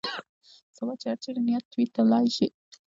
ستا چې هر چېرې نیت وي تلای شې.